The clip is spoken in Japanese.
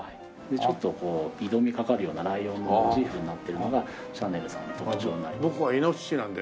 ちょっとこう挑みかかるようなライオンのモチーフになってるのがシャネルさんの特徴になります。